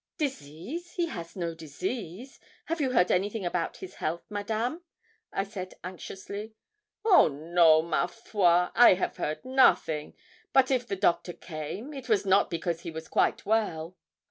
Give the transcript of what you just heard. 'Disease! he has no disease. Have you heard anything about his health, Madame?' I said, anxiously. 'Oh no, ma foi I have heard nothing; but if the doctor came, it was not because he was quite well.'